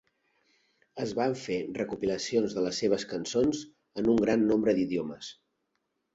Es van fer recopilacions de les seves cançons en un gran nombre d'idiomes.